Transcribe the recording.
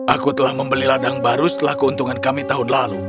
aku telah membeli ladang baru setelah keuntungan kami tahun lalu